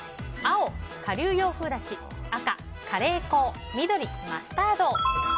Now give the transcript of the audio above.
青、顆粒洋風だし赤、カレー粉緑、マスタード。